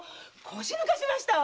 腰を抜かしました。